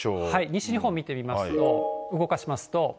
西日本見ていきますと、動かしますと。